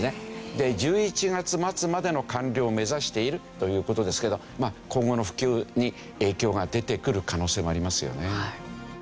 で１１月末までの完了を目指しているという事ですけど今後の普及に影響が出てくる可能性もありますよね。